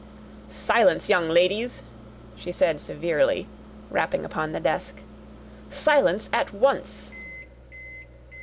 "Silence, young ladies!" she said severely, rapping upon the desk. "Silence at once!"